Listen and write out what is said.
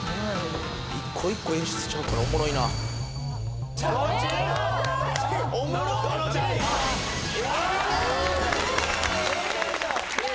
一個一個演出ちゃうからおもろいなおもろっ！